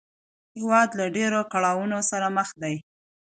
هېواد له ډېرو کړاوونو سره مخ دی